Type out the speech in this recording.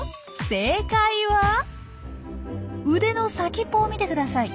正解は腕の先っぽを見てください。